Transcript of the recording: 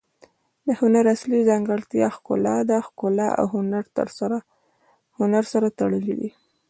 د هنر اصلي ځانګړتیا ښکلا ده. ښګلا او هنر سره تړلي دي.